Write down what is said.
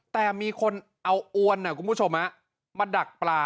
แต่มีคนเอาอ้วนมาดักปลา